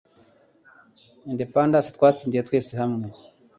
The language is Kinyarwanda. indepandansi twatsindiye twese hamwe